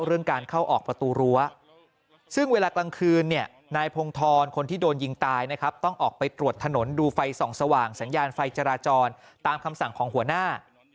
เรื่องการเข้าออกประตูรั้วซึ่งเวลากลางคืนเนี่ยนายพงธรคนที่โดนยิงตายนะครับต้องออกไปตรวจถนนดูไฟส่องสว่างสัญญาณไฟจราจรตามคำสั่งของหัวหน้า